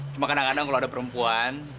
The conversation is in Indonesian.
cuma kadang kadang kalau ada perempuan